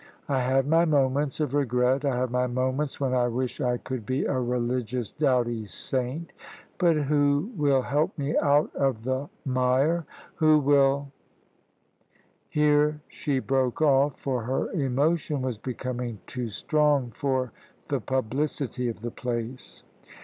I have my moments of regret I have my moments when I wish I could be a religious, dowdy saint. But who will help me out of the mire who will ?" Here she broke off, for her emotion was becoming too strong for the publicity of the place.